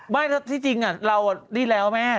ไม่แล้วที่จริงเราดีแล้วแม่